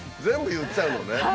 全部言っちゃうのね。